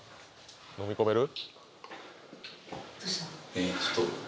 のみ込める？